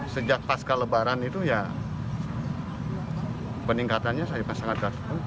sejak pasca lebaran itu ya peningkatannya sangat sangat berat